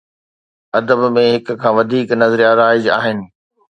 ادب ۾ هڪ کان وڌيڪ نظريا رائج آهن.